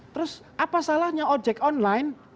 terus apa salahnya ojek online